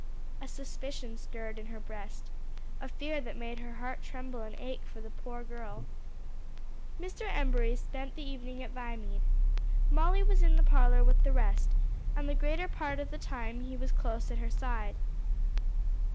A suspicion stirred in her breast, a fear that made her heart tremble and ache for the poor girl. Mr. Embury spent the evening at Viamede. Molly was in the parlor with the rest, and the greater part of the time he was close at her side.